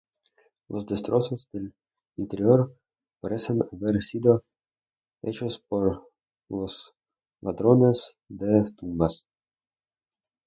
Los destrozos del interior parecen haber sido hechos por los ladrones de tumbas.